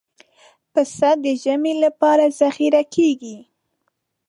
پسه د ژمي لپاره ذخیره کېږي.